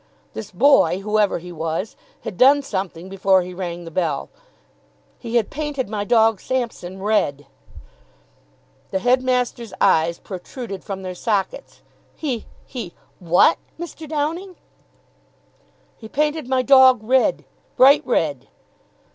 "This boy, whoever he was, had done something before he rang the bell he had painted my dog Sampson red." The headmaster's eyes protruded from their sockets. "He he what, Mr. Downing?" "He painted my dog red bright red."